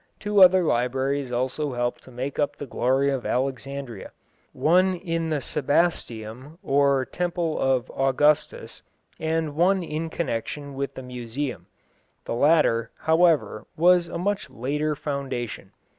Two other libraries also helped to make up the glory of Alexandria; one in the Sebasteum, or Temple of Augustus, and one in connection with the Museum. The latter, however, was a much later foundation.